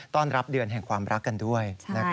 ต้อนรับเดือนแห่งความรักกันด้วย